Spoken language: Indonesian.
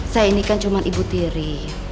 saya ini kan cuma ibu tiri